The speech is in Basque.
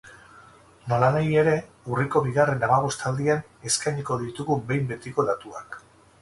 Nolanahi ere, urriko bigarren hamabostaldian eskainiko ditugu behin betiko datuak.